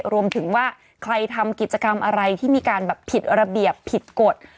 รวมถึงว่าใครทำกิจกรรมอะไรที่มีการแบบผิดระเบียบผิดกฎ